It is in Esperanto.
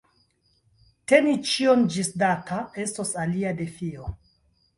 Teni ĉion ĝisdata estos alia defio.